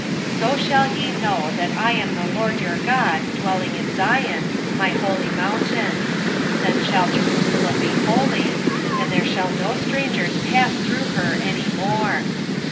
3:17 So shall ye know that I am the LORD your God dwelling in Zion, my holy mountain: then shall Jerusalem be holy, and there shall no strangers pass through her any more.